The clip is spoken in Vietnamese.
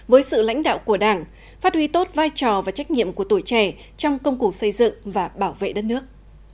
với sự lãnh đạo của đảng phát huy tốt vai trò và trách nhiệm của tuổi trẻ trong công cụ xây dựng và bảo vệ đất nước